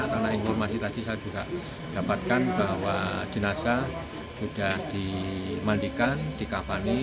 karena informasi tadi saya juga dapatkan bahwa jenazah sudah dimandikan di kafani